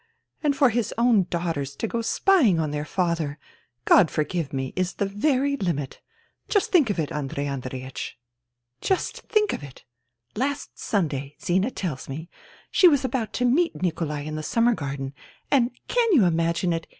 And for his own daughters to go spying on their father, God forgive me, is the very limit. Just think of it, Andrei Andreiech, 62 FUTILITY just think of it ! Last Sunday, Zina tells me, she was about to meet Nikolai in the Summer Garden, and — can you imagine it